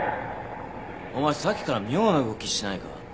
お前さっきから妙な動きしてないか？